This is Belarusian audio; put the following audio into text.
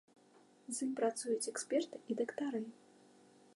З ім працуюць эксперты і дактары.